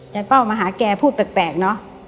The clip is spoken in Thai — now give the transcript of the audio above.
เป้ามาหาแกพูดแปลกเนอะ